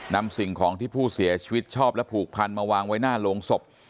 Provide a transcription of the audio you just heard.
สิ่งของที่ผู้เสียชีวิตชอบและผูกพันมาวางไว้หน้าโรงศพ